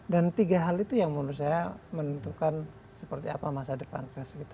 tiga hal itu yang menurut saya menentukan seperti apa masa depan pers